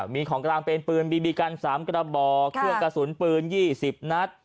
มีของกลางเป็นปืนบีบีกัน๓กระบอกเครื่องกระสุนปืน๒๐นัด